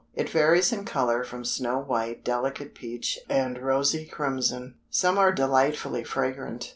It varies in color from snow white delicate peach and rosy crimson. Some are delightfully fragrant.